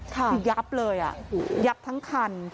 คือยับเลยยับทั้งคัน